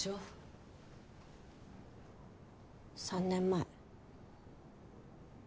３年前。